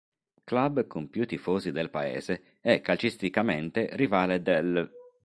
Club con più tifosi del paese, è calcisticamente rivale dell'.